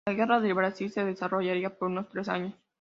La Guerra del Brasil se desarrollaría por unos tres años.